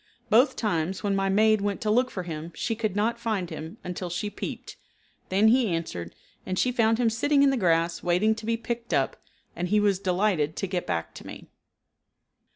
Both times when my maid went to look for him she could not find him until she peeped, then he answered, and she found him sitting in the grass waiting to be picked up, and he was delighted to get back to me.